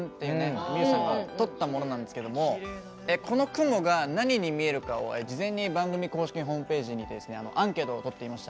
みゆさんが撮ったものなんですがこの雲が何に見えるかを事前に番組公式ホームページにてアンケートを取っていました。